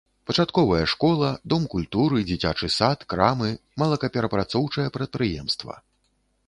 Пачатковая школа, дом культуры, дзіцячы сад, крамы, малакаперапрацоўчае прадпрыемства.